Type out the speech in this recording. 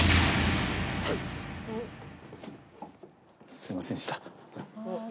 すいませんでした。